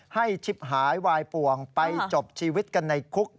ชิบหายวายป่วงไปจบชีวิตกันในคุก